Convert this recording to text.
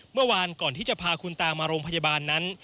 เมื่อวานก่อนที่จะพาคุณตามาโรงพยาบาลนั้น